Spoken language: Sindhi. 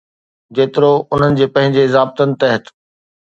جيترو انهن جي پنهنجي ضابطن تحت.